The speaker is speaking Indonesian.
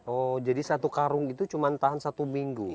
oh jadi satu karung itu cuma tahan satu minggu